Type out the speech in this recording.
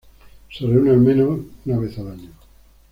Se reúne al menos una vez al año.